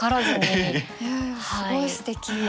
すごいすてき。